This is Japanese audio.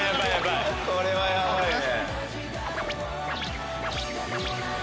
これはヤバいね。